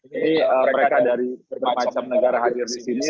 jadi mereka dari berbagai macam negara hadir di sini